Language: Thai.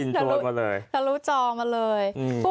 อินโทรศมาเลยนรู้จอมาเลย